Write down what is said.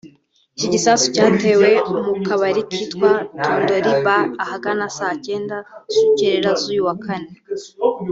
Iki gisasu cyatewe mu kabari kitwa Tandoori bar ahagana saa cyenda z’urucyerera z’uyu wa Kane